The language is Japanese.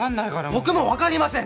僕もわかりません！